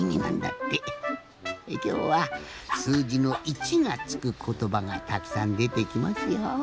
きょうはすうじの一がつくことばがたくさんでてきますよ。